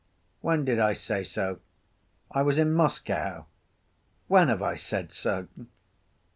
"When did I say so? I was in Moscow.... When have I said so?"